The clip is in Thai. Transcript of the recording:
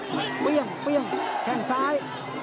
มันเปรี้ยงเปรี้ยงแข้งซ้าย